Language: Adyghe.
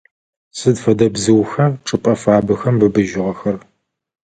Сыд фэдэ бзыуха чӏыпӏэ фабэхэм быбыжьыгъэхэр?